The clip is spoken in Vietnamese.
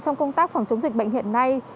trong công tác phòng chống dịch bệnh hiện nay